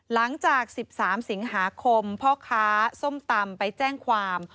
หลังจาก๑๓สิงหาคมพ่อค้าส้มตำไปแจ้งความ